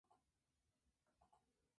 Basilica of St.